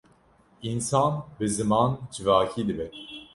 Însan bi ziman civakî dibe.